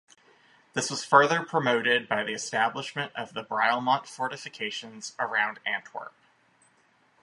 This was further promoted by the establishment of the Brialmont fortifications around Antwerp.